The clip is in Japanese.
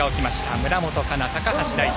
村元哉中、高橋大輔。